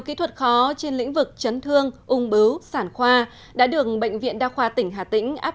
kỹ thuật khó trên lĩnh vực chấn thương ung bứu sản khoa đã được bệnh viện đa khoa tỉnh hà tĩnh áp